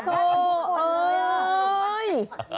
โถ่เอ้ย